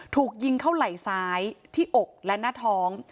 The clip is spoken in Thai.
ถูกยิงเข้าไหล่ซ้ายที่อกและหน้าท้อง